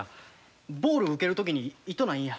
ボール受ける時に痛ないんや。